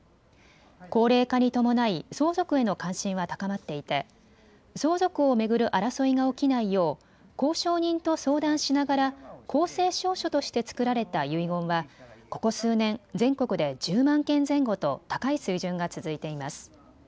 高齢化に伴い相続への関心は高まっていて、相続を巡る争いが起きないよう公証人と相談しながら公正証書として作られた遺言はここ数年、全国で１０万件前後と高い水準が続いています。